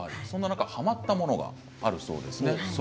そんな中、はまったものがあるそうですね。